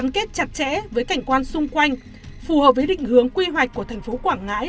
kết chặt chẽ với cảnh quan xung quanh phù hợp với định hướng quy hoạch của thành phố quảng ngãi